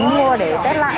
mua để test lại